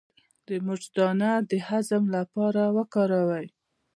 د مرچ دانه د هضم لپاره وکاروئ